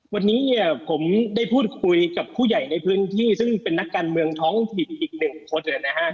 วันนี้เนี่ยผมได้พูดคุยกับผู้ใหญ่ในพื้นที่ซึ่งเป็นนักการเมืองท้องถิ่นอีกหนึ่งคนนะฮะ